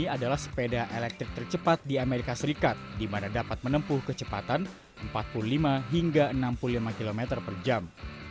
ini adalah sepeda elektrik tercepat di amerika serikat di mana dapat menempuh kecepatan empat puluh lima hingga enam puluh lima km per jam